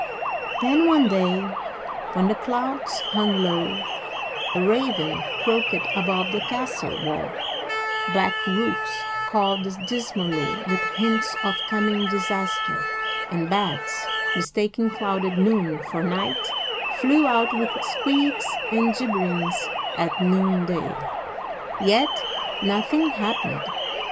Then one day, when the clouds hung low, a raven croaked above the castle wall; black rooks cawed dismally with hints of coming disaster; and bats, mistaking clouded noon for night, flew out with squeaks and gibberings at noonday yet nothing happened.